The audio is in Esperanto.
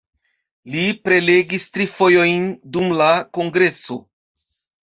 Li prelegis tri fojojn dum la kongreso.